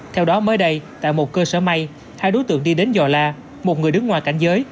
theo đó mới đây tại một cơ sở may hai đối tượng đi đến giò la một người đứng ngoài cảnh giới